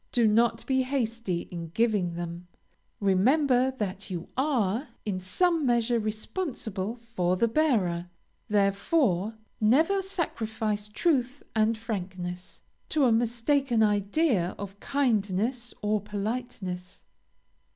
Do not be hasty in giving them; remember that you are, in some measure responsible for the bearer; therefore, never sacrifice truth and frankness, to a mistaken idea of kindness or politeness.